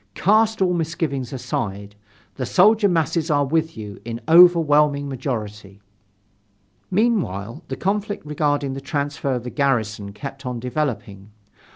Cast all misgivings aside, the soldier masses are with you in overwhelming majority." Meanwhile the conflict regarding the transfer of the garrison kept on developing.